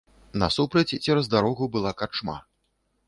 Насупраць цераз дарогу была карчма.